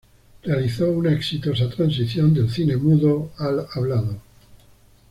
Realizó una exitosa transición del cine mudo al hablado.